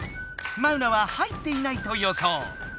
マウナは入っていないと予想。